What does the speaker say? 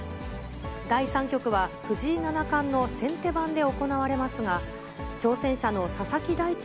第３局は、藤井七冠の先手番で行われますが、挑戦者の佐々木大地